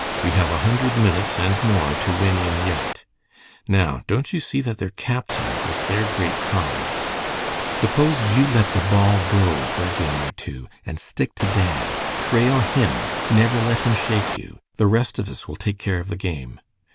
We have a hundred minutes and more to win in yet. Now, don't you see that their captain is their great card. Suppose you let the ball go for a game or two, and stick to Dan. Trail him, never let him shake you. The rest of us will take care of the game."